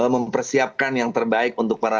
mempersiapkan yang terbaik untuk para